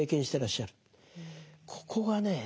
ここがね